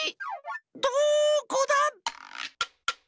どこだ？